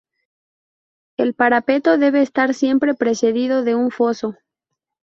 El parapeto debe estar siempre precedido de un foso.